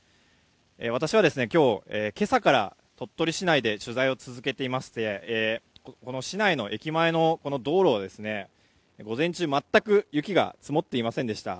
私は、今日今朝から鳥取市内で取材を続けていまして市内の駅前の道路午前中は全く雪が積もっていませんでした。